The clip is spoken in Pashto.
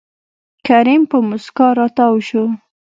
کريم په موسکا راتاو شو.